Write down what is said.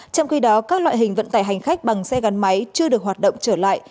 trong khi đó các loại hình vận tải hành khách bằng xe gắn máy chưa được hoạt động trở lại